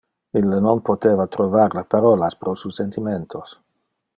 Ille non poteva trovar le parolas pro su sentimentos.